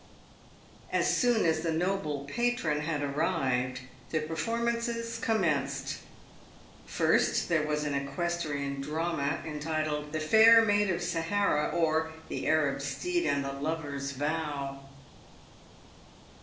As soon as the noble patron had arrived, the performances com menced. Eirst, there was an equestrian drama, entitled, " The Pair Maid of Sahara, or the Arab Steed and the Lover's Vow."